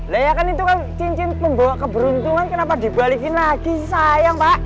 lah ya kan itu kan cincin membawa keberuntungan kenapa dibalikin lagi sayang pak